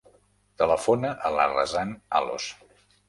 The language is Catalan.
Telefona a la Razan Alos.